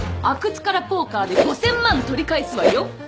阿久津からポーカーで５，０００万取り返すわよ。